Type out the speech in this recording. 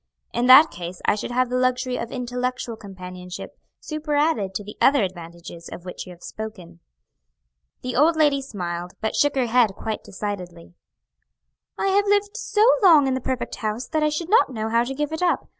"In that case I should have the luxury of intellectual companionship superadded to the other advantages of which you have spoken." The old lady smiled, but shook her head quite decidedly. "I have lived so long in the perfect house that I should not know how to give it up.